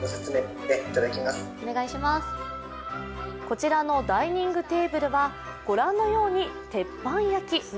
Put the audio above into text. こちらのダイニングテーブルは御覧のように鉄板焼き。